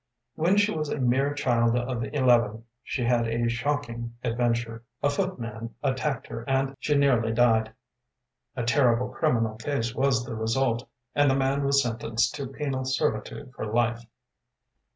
When she was a mere child of eleven, she had a shocking adventure; a footman attacked her and she nearly died. A terrible criminal case was the result, and the man was sentenced to penal servitude for life.